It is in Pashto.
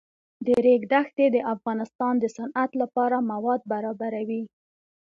د ریګ دښتې د افغانستان د صنعت لپاره مواد برابروي.